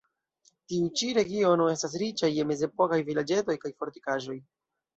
Tiu ĉi regiono estas riĉa je mezepokaj vilaĝetoj kaj fortikaĵoj.